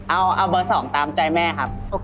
เอาเบอร์๒ตามใจแม่ครับ